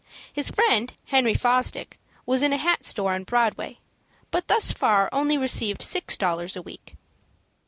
His friend, Henry Fosdick, was in a hat store on Broadway, but thus far only received six dollars a week.